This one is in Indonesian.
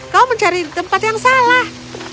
kau mencari tempat yang salah